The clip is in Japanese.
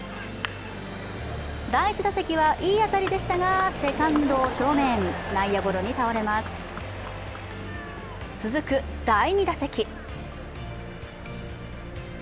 第１打席は、いい当たりでしたがセカンド正面、内野ゴロに倒れます続く第２打席。